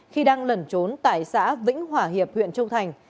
khi đang lẩn trốn tại xã vĩnh hỏa hiệp huyện trông thành